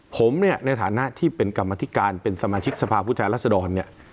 ผมในฐานะที่เป็นกรรมนาฬิการเป็นสมาชิกสภาพุทธรรษดร